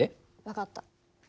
分かった。